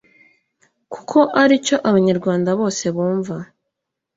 kuko ari cyo abanyarwanda bose bumva